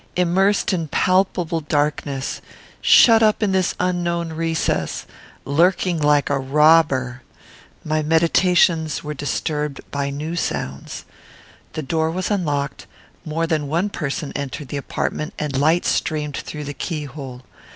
Immersed in palpable darkness! shut up in this unknown recess! lurking like a robber! My meditations were disturbed by new sounds. The door was unlocked, more than one person entered the apartment, and light streamed through the keyhole.